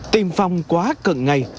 tiêm phòng quá cần ngay